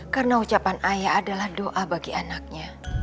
karena ucapan ayah adalah doa bagi anaknya